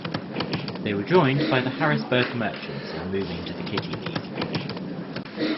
They were joined by the Harrisburg Merchants in moving to the Kitty League.